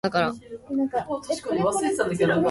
The practice of "hanami" is many centuries old.